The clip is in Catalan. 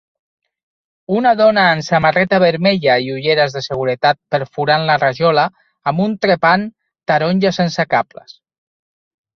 Una dona amb samarreta vermella i ulleres de seguretat perforant la rajola amb un trepant taronja sense cables